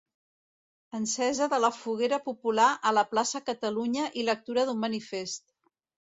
Encesa de la foguera popular a la plaça Catalunya i lectura d'un manifest.